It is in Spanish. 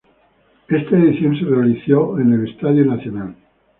Está edición se realizó en el Estadio Nacional.